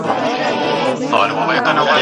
څه وخت دولتي شرکتونه غوړي هیواد ته راوړي؟